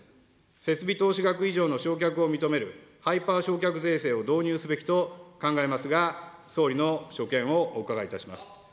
設備投資額以上の償却を認めるハイパー償却税制を導入すべきと考えますが、総理の所見をお伺いいたします。